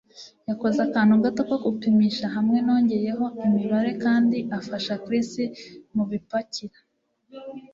Yakoze akantu gato ko gupimisha hamwe nongeyeho [imibare] kandi 'afasha' Chris mubipakira.